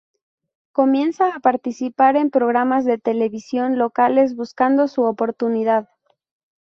Comienza a participar en programas de televisión locales buscando su oportunidad.